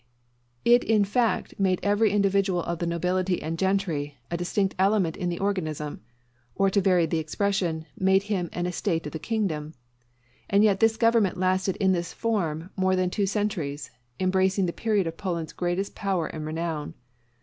It in fact made every individual of the nobility and gentry a distinct element in the organism; or to vary the expression, made him an estate of the kingdom. And yet this government lasted in this form more than two centuries, embracing the period of Poland's greatest power and renown.